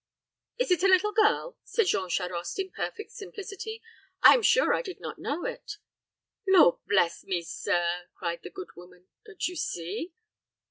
"Is it a little girl?" said Jean Charost, in perfect simplicity; "I am sure I did not know it." "Lord bless me! sir," cried the good woman "don't you see?"